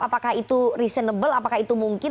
apakah itu reasonable apakah itu mungkin